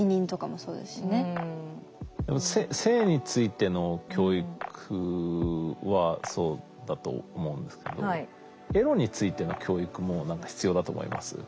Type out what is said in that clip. やっぱ性についての教育はそうだと思うんですけどエロについての教育も必要だと思います。